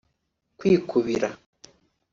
kwikubira